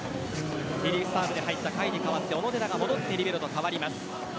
リリーフサーブで入った甲斐に代わって小野寺が戻ります。